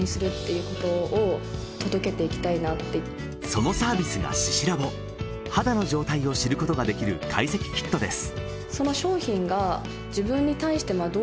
そのサービスがＳＩＳＩＬＡＢ肌の状態を知ることができる解析キットです